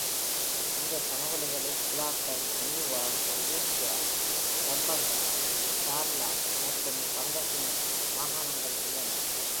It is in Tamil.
இந்த சமவெளிகளில் புலாக்கன், நியூவா எசிஜா, பம்பங்கா, டார்லாக் மற்றும் பங்கசினன் மாகாணங்கள் உள்ளன.